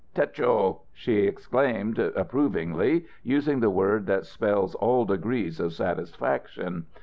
"Tetcho!" she exclaimed, approvingly, using the word that spells all degrees of satisfaction.